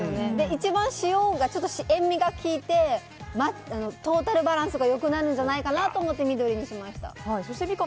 一番、塩が塩みがきいてトータルバランスが良くなるんじゃないかと思って緑にしました。